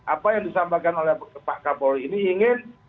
apa yang disampaikan oleh pak kapolri ini ingin